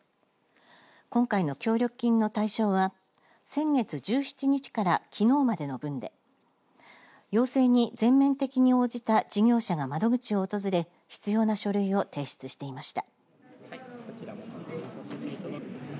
今回の協力金の対象は、先月１７日から、きのうまでのぶんで要請に全面的に応じた事業者が窓口を訪れ必要な書類を提出していました。